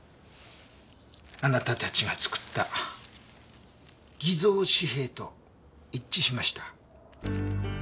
あなたたちが作った偽造紙幣と一致しました。